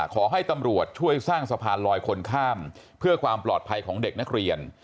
ขอให้ตำรวจช่วยสร้างสะพานลอยคนข้ามเพื่อความปลอดภัยของเด็กนักเรียน